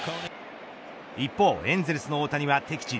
一方エンゼルスの大谷は敵地